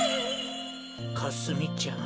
かすみちゃん。